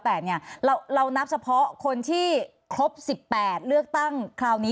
เรานับเฉพาะคนที่ครบ๑๘เลือกตั้งคราวนี้